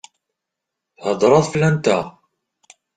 Theddṛeḍ fell-anteɣ?